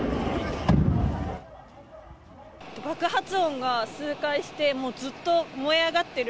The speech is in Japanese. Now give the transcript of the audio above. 爆発音が数回して、もうずっと燃え上がってる。